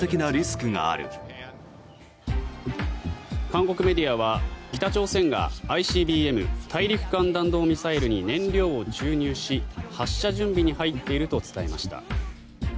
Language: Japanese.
韓国メディアは北朝鮮がＩＣＢＭ・大陸間弾道ミサイルに燃料を注入し発射準備に入っていると伝えました。